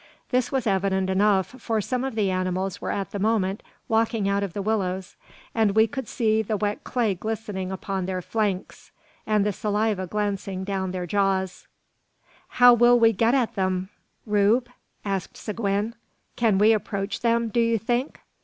This was evident enough, for some of the animals were at the moment walking out of the willows; and we could see the wet clay glistening upon their flanks, and the saliva glancing down from their jaws. "How will we get at them, Rube?" asked Seguin; "can we approach them, do you think?"